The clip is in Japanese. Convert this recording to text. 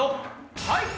はい！